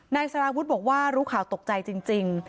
นายสารวุฒิบอกว่ารู้ข่าวตกใจจริง